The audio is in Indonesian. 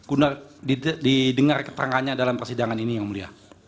guna didengar keterangannya dalam persidangan ini yang mulia